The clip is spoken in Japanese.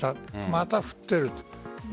また降っている。